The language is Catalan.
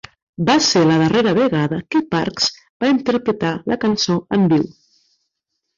Va ser la darrera vegada que Parks va interpretar la cançó en viu.